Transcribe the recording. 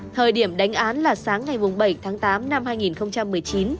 thời điểm đánh án là sáng ngày bảy tháng tám năm hai nghìn một mươi chín